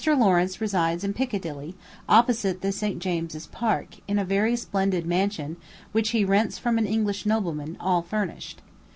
Lawrence resides in Piccadilly, opposite the St. James's Park, in a very splendid mansion, which he rents from an English nobleman, all furnished.